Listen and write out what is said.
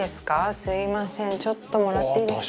すみませんちょっともらっていいですか？